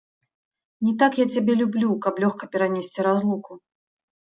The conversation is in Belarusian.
Не так я цябе люблю, каб лёгка перанесці разлуку.